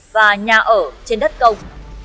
và nhà ở trên đất công